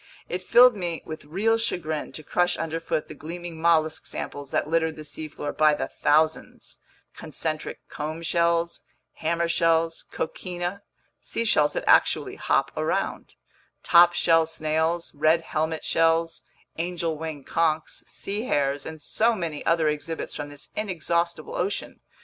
It filled me with real chagrin to crush underfoot the gleaming mollusk samples that littered the seafloor by the thousands: concentric comb shells, hammer shells, coquina (seashells that actually hop around), top shell snails, red helmet shells, angel wing conchs, sea hares, and so many other exhibits from this inexhaustible ocean.